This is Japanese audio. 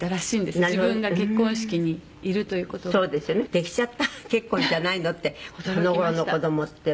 「“できちゃった結婚じゃないの？”ってこの頃の子供ってば」